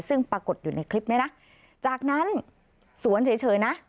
ซึ่งปรากฏอยู่ในคลิปนี้นะจากนั้นสวนเฉยนะ